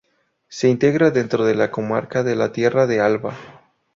Se integra dentro de la comarca de la Tierra de Alba.